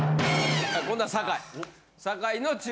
今度は坂井。